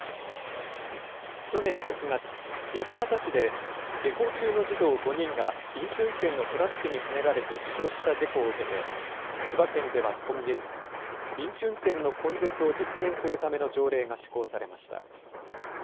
去年６月、八街市で下校中の児童５人が飲酒運転のトラックにはねられて死傷した事故を受けて、千葉県では今月、飲酒運転の根絶を実現するための条例が施行されました。